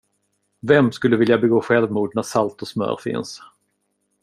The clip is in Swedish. Vem skulle vilja begå självmord när salt och smör finns?